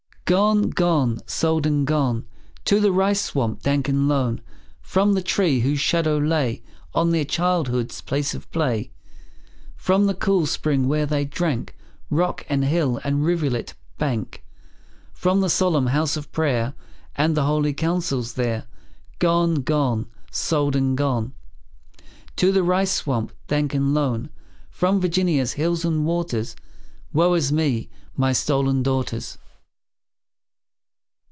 Gone, gone, sold and gone, To the rice swamp dank and lone. From the tree whose shadow lay On their childhood's place of play; From the cool spring where they drank; Rock, and hill, and rivulet bank; From the solemn house of prayer, And the holy counsels there; Gone, gone, sold and gone, To the rice swamp dank and lone, From Virginia's hills and waters; Woe is me, my stolen daughters!